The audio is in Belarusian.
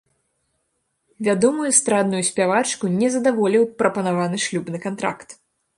Вядомую эстрадную спявачку не задаволіў прапанаваны шлюбны кантракт.